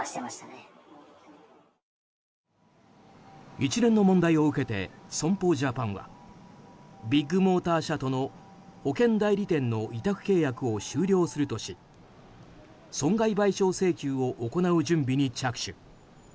一連の問題を受けて損保ジャパンはビッグモーター社との保険代理店の委託契約を終了するとし損害賠償請求を行う準備に着手。